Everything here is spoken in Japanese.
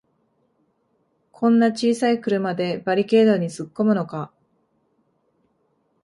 こんな小さい車でバリケードにつっこむのか